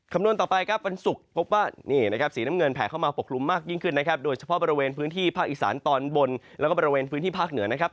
คำนวณต่อไปครับวันศุกร์พบว่านี่นะครับสีน้ำเงินแผลเข้ามาปกคลุมมากยิ่งขึ้นนะครับโดยเฉพาะบริเวณพื้นที่ภาคอีสานตอนบนแล้วก็บริเวณพื้นที่ภาคเหนือนะครับ